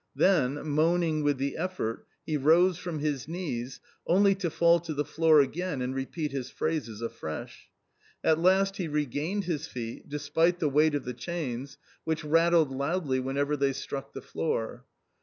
Then, moaning with the effort, he rose from his knees only to fall to the floor again and repeat his phrases afresh. At last he regained his feet, despite the weight of the chains, which rattled loudly whenever they struck the floor.